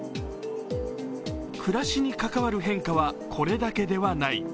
暮らしに関わる変化はこれだけではない。